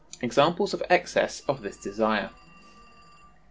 Examples of Excess of this Desire.